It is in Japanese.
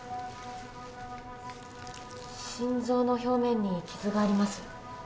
心臓の表面に傷があります。